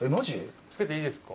着けていいですか？